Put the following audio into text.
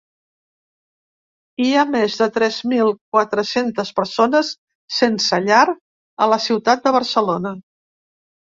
Hi ha més de tres mil quatre-centes persones sense llar a la ciutat de Barcelona.